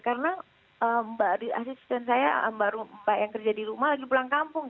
karena asisten saya mbak yang kerja di rumah lagi pulang kampung